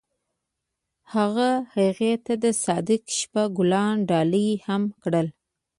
هغه هغې ته د صادق شپه ګلان ډالۍ هم کړل.